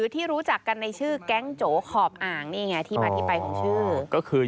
ที่มาที่ใบของชื่อ